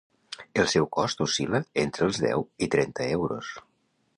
El seu cost oscil·la entre els deu i trenta euros.